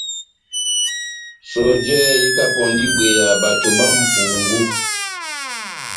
Sɔjɛ ikapɔndi ibweya bato bá mʼpungu.